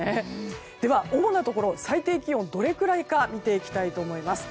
では、主なところ最低気温がどれぐらいか見ていきたいと思います。